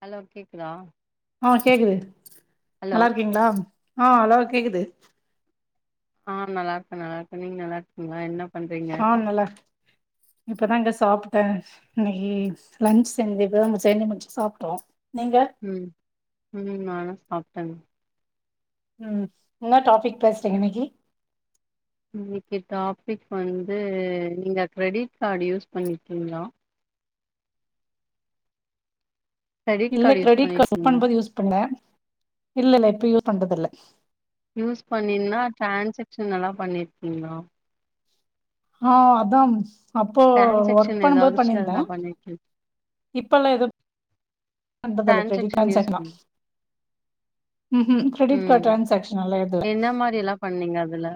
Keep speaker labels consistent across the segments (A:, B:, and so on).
A: hello கேக்குதா
B: ஆ கேக்குது
A: ஹலோ
B: நல்லா இருக்கீங்களா ஆ ஹலோ கேக்குது
A: ஆ நல்லா இருக்கேன் நல்லா இருக்கேன் நீங்க நல்லா இருக்கீங்களா என்ன பண்றீங்க
B: ஆ நல்லா இருக்கேன் இப்பதாங்க சாப்பிட்டே இன்னைக்கு லன்ச் செஞ்சி இப்பதாங்க செஞ்சி முடிச்சு சாப்ட்டோ நீங்க
A: உம் உம் நானு சாப்பிட்டே
B: உம் என்ன டாபிக் பேசுறீங்க இன்னைக்கி
A: இன்னைக்கு டாபிக் வந்து நீங்க கிரெடிட் கார்டு யூஸ் பண்ணிற்க்கீங்ளா கிரெடிட்
B: இல்ல
A: கார்டு யூஸ்
B: கிரெடிட் கார்ட் சப்
A: பண்ணிருக்கீங்களா
B: பண்ணபோது யூஸ் பண்ல இல்ல இல்ல இப்ப யூஸ் பண்றது இல்ல
A: யூஸ் பண்ணின்னா ட்ரான்சக்ஷன் எல்லா பண்ணீற்ப்பீங்ளா
B: ஆ அதாம்ஸ் அப்போ ஒர்க்
A: டிரான்சாக்ஷன்
B: பண்ணும்போது
A: ஏதாச்சு
B: பண்ணிருந்தே
A: அதுல பண்ணிருக்கீங்
B: இப்பெல்லா எது பண்றதல்ல கிரெடிட்
A: டிரான்சாக்ஷன்
B: கார்டுஸ்
A: யூஸ்
B: சேக்கலா
A: பண்ணி
B: உம் உம் கிரெடிட்
A: ம்
B: கார்ட் டிரான்ஷேக்ஷன் எல்லா எதுல்ல
A: என்ன மாரி எல்லா பண்ணீங்க அதுல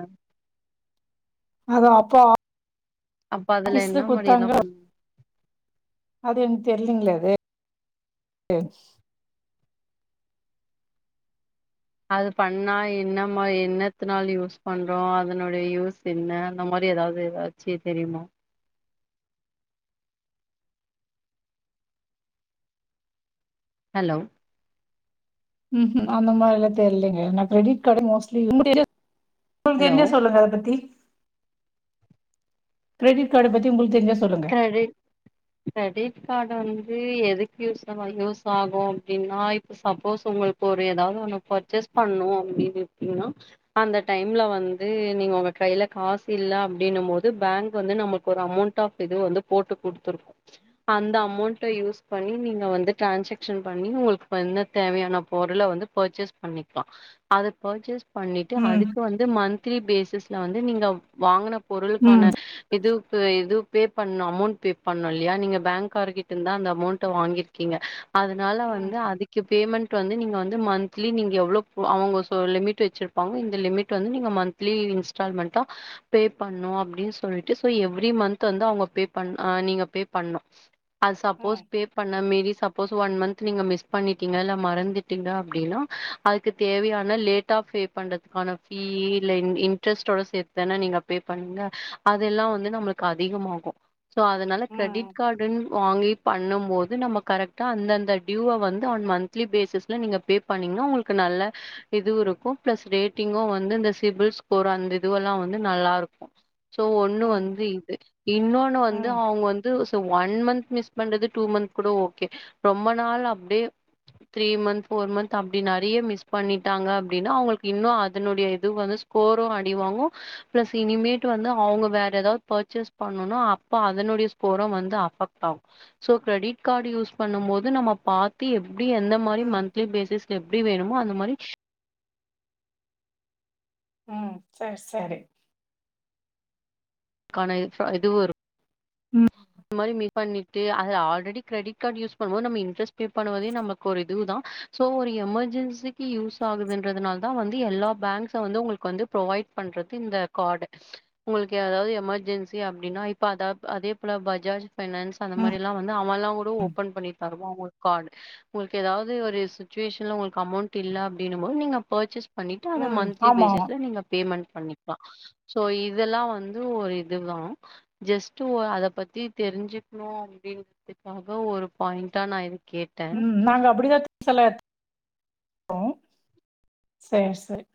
B: அதா அப்பா
A: அப்ப அதுல என்ன முடிய எல்லா பண்
B: அது எனக் தெரிலிங்லே அது என்ச்
A: அது பண்ணா என்னமா என்னத்து நாள யூஸ் பண்றோ அதனுடைய யூஸ் என்ன அந்த மாரி ஏதாவது ஏதாச்சி தெரியுமா ஹலோ
B: ம் ம் அந்த மாரி எல்லா தெரிலிங்க நா கிரெடிட் கார்டே மோஸ்ட்லி யூஸ் [unintelligible] உங்களுக்கு
A: ஹலோ
B: தெரிஞ்சா சொல்லுங்க அத பத்தி கிரெடிட் கார்டு பத்தி உங்களுக்கு தெரிஞ்சா சொ
A: கிரெடிட் கிரெடிட் கார்டு வந் து எதுக்கு யூஸ் ஆகு யூஸ் ஆகு அப்டின்னா இப்ப சப்போஸ் உங்களுக்கு ஒரு ஏதாவது ஒன்னு பர்ச்சேஸ் பண்ணோ அப்டீனு இருப்பீங்ன்னா அந்த டைம்ல வந்து நீங்க உங்க கையில காசு இல்ல அப்டி ன்னு போது பேங்க் வந்து நம்மளுக்கு ஒரு அமௌண்ட்டா இது வந்து போட்டு குடுத்துருக்கோ அந்த அமௌண்ட்ட யூஸ் பண்ணி நீங்க வந்து டிரான்ஷக்ஷன் பண்ணி உங்களுக்கு இப்ப என்ன தேவையான பொருளை வந்து பர்ச்சேஸ் பண்ணிக்கலா அது பர்ச்சேஸ் பண்ணிட்டு
B: ம்
A: அதுக்கு வந்து மந்த்லி பேசிஸ்ல வந்து நீங்க வாங்கன பொருளுக்கான
B: ம்
A: இதுவுக்கு இது பே பண்ணு அமௌண்ட் பே பண்ணு இல்லையா நீங்க பேங்கார் கிட்ட இருந்தா அந்த அமௌண்ட்ட வாங்கியிருக்கீங்க அதனால
B: ம்
A: வந்து அதுக்கு இப் பேமெண்ட் வந்து நீங்க வந்து மந்த்லி நீங்க எவ்ளோப் அவங்க சோ லிமிட் வச்சிருப்பாங்க இந்த லிமிட் வந்து நீங்க மந்த் மந்த்லி இன்ஸ்டால்மென்ட்டா பே பண்ணு அப்டீன் சொல்ட்டு சோ எவ்ரி மந்த் து வந்து அவங்க பே பண்ணு ஆ நீங்க பே பண்ணு அது சப்போஸ்
B: ம்
A: பே பண்ண மீறி சப்போஸ் ஒன் மந்த் நீங்க மிஸ் பண்ணிட்டீங்க இல்ல மறந்துட்டீங்க அப்டின்னா அதுக்கு தேவையான லேட்டா பே பண்றதுக்கான ஃபீ இல்ல இன்ட்ரெஸ்டோட சேத்து தானே நீங்க பே பண்ணுவீங்க அதெல்லா வந்து நம்ளுக் அதிகமாகு சோ அதனால கிரெடிட்
B: ம்
A: கார்டுனு வாங்கி பண்ணும்போது நம்ம கரெக்டா அந்த அந்த டியூவ வந்து ஆன் மந்த்லி பேசஸ்ல நீங்க பே பண்ணீங்ன்னா உங்களுக்கு நல்லா இதுவு இருக்கு பிளஸ் ரேட்டிங்கு வந்து இந்த சிபிள் ஸ்கோர் அந்த இதுவெல்லா வந்து நல்லா இருக்கோ சோ ஒண்ணு
B: ம்
A: வந்து இது இன்னொன்னு வந்து
B: ம்
A: அவங்க வந்து ஒன் மந்த் மிஸ் பண்றது டூ மந்த் கூட ஓகே ரொம்ப நாள் அப்டியே த்ரீ மந்த் ஃபோர் மந்த் அப்டி நிறைய மிஸ் பண்ணிட்டாங்க அப்டின்னா அவங்களுக்கு இன்னு அதனுடைய இது வந்து ஸ்கோரு அடிவாங்கு பிளஸ் இனிமேட்டு வந்து அவுங்க வேற ஏதாவது பர்ச்சேஸ் பண்ணனு அப்ப அதனுடைய ஸ்கோரு வந்து அபக்ட் ஆகு சோ கிரெடிட் கார்டு யூஸ் பண்ணும் போது நம்ம பாத்து எப் டி எந்த மாரி
B: ம்
A: மந்த்லி பேசிஸ்ல எப்டி வேணுமோ அந்த மாரி
B: உம் சர் சரி
A: க்கான ஃப இது விரு
B: ம்
A: இந்த மாரி மிஸ் பண்ணிட்டு அது ஆல்ரெடி கிரெடிட் கார்ட் யூஸ் பண்ணும்போது நம்ம இன்டரஸ்ட் பே பண்ணுவதே நமக்கு ஒரு இது தான் சோ ஒரு எமர்ஜென்சிக்கு யூஸ் ஆகுதுன்றதுனால தா வந்து எல்லா பேங்க்ஸ்ஸ வந்து உங்களுக்கு வந்து புரவைட் பண்றகு இந் ந்த கார்டு உங்களுக்கு ஏதாவது எமர்ஜென்சி அப்டின்னா இப்ப அதா அதே போல பஜாஜ் பைனான்ஸ் அந்த
B: ம்
A: மாரி எல்லா வந்து அவல்லா கூட ஓபன் பண்ணி தருவா ஒரு கார்ட் உங்களுக்கு ஏதாவது ஒரு சுச்சுவேஷன்ல உங்களுக்கு அமௌண்ட் இல்ல அப்டின்னு போது நீங்க பர்ச்சேஸ் பண்ணிட்டு அத
B: ம்
A: மந்த்லி
B: ஆமா ஆமா
A: பேசிஸ்ல நீங்க பேமெண்ட் பண்ணிக்கலா சோ இதெல்லாம் வந்து ஒரு இதுதான் ஜஸ்ட்ட் ஒரு அத பத்தி தெரிஞ்சுக்கணு அப்படின்றதுக்காக ஒரு பாயிண்டா நான் இருக்கே
B: ம் நாங்க அப்டிதான் திங்ஸ் எல்லாஎத் தோம் சேர் சேர்